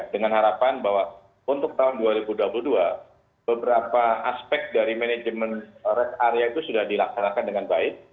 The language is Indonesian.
dengan harapan bahwa untuk tahun dua ribu dua puluh dua beberapa aspek dari manajemen rest area itu sudah dilaksanakan dengan baik